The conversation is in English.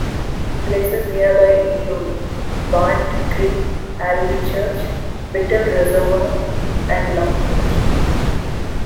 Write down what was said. Places nearby include: Barnt Green, Alvechurch, Bittell Reservoir and Longbridge.